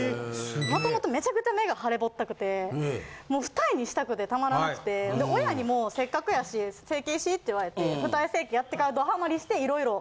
もともとめちゃくちゃ目が腫れぼったくてもう二重にしたくてたまらなくて親にもせっかくやし整形しって言われて二重整形やってからドハマりして色々。